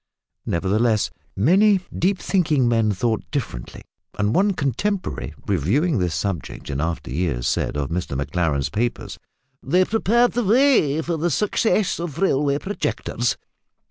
Nevertheless, many deep thinking men thought differently, and one contemporary, reviewing this subject in after years, said of Mr Maclaren's papers, that, "they prepared the way for the success of railway projectors."